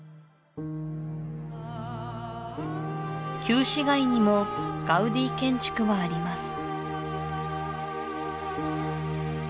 旧市街にもガウディ建築はあります